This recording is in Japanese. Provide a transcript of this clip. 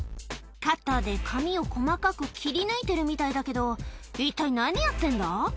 カッターで紙を細かく切り抜いてるみたいだけど一体何やってんだ？